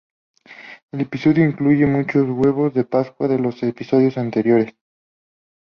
El episodio incluye muchos huevos de Pascua de los episodios anteriores.